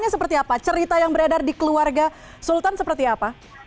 seperti apa cerita yang beredar di keluarga sultan seperti apa